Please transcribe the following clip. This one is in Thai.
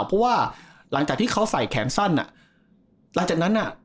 เพราะว่าหลังจากที่เขาใส่แขนสั้นอ่ะหลังจากนั้นน่ะ